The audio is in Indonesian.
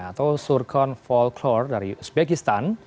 atau surkon volklore dari uzbekistan